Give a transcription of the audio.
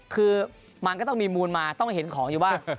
คือมันก็ต้องมีมูลมาต้องเห็นของอยู่บ้าง